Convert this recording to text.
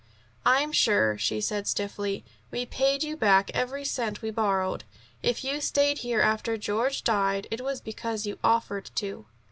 "I'm sure," she said stiffly, "we paid you back every cent we borrowed. If you stayed here after George died, it was because you offered to."